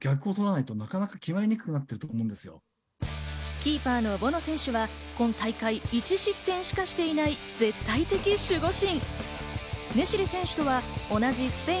キーパーのボノ選手は今大会１失点しかしていない絶対的守護神。